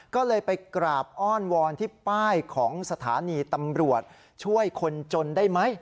ก็เลยไปกราบอ้อนวอนที่ป้ายของสถานีตำรวจช่วยคนจนได้ไหม